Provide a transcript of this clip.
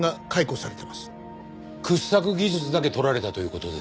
掘削技術だけ取られたという事ですか。